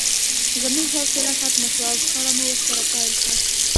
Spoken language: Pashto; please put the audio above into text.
زموږ حوصله ختمه شوه او شخړه مو ورسره پیل کړه